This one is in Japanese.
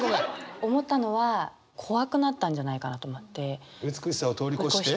思ったのは怖くなったんじゃないかなと思って。